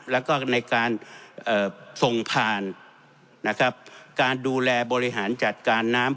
แล้วก็ในการส่งผ่านนะครับการดูแลบริหารจัดการน้ำ